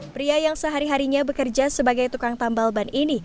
pria yang sehari harinya bekerja sebagai tukang tambal ban ini